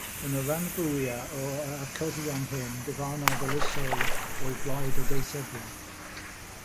Yn y rhan fwyaf o'r achosion hyn, dyfarnodd y llysoedd o blaid y deisebwr.